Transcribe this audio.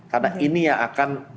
karena ini yang akan